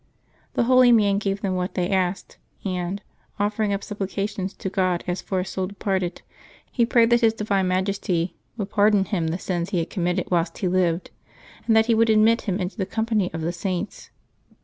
The holy man gave them what they asked, and " offering up supplications to God as for a soul departed, he prayed that his Divine Majesty would pardon him the sins he had committed whilst he lived, and that he would admit him into the com pany of the Saints.